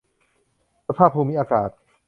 สภาพภูมิอากาศ